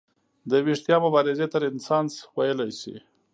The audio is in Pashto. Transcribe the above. د ویښتیا مبارزې ته رنسانس ویلی شي.